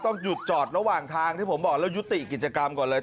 ต้องหยุดจอดระหว่างทางที่ผมบอกแล้วยุติกิจกรรมก่อนเลย